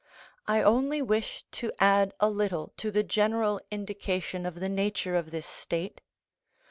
I only wish to add a little to the general indication of the nature of this state.